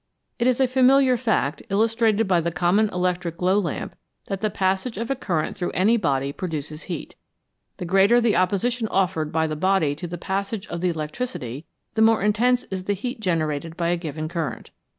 It is a familiar fact, illustrated by the common electric glow lamp, that the passage of a current through any body produces heat. The greater the opposition offered by the body to the passage of the electricity, the more intense is the heat gener ated by a given current.